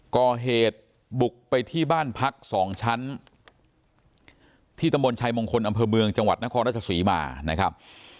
ก่อเหตุบุกไปที่บ้านพักสองชั้นที่ตำบลชายมงคลอำเภอเมืองจังหวัดนครราชศรีมานะครับ